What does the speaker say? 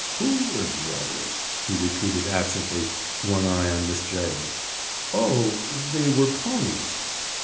"Who were the others?" he repeated absently, one eye on Miss Gerald. "Oh, they were 'ponies.